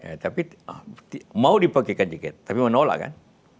ya tapi mau dipakaikan jaket tapi menolak kan